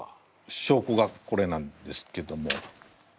証拠がこれなんですけども。